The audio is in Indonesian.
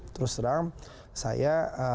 terus terang saya